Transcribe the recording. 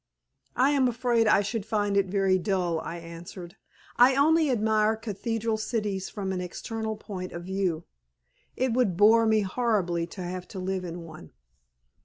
"I am afraid I should find it very dull," I answered. "I only admire cathedral cities from an external point of view. It would bore me horribly to have to live in one."